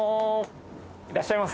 いらっしゃいませ。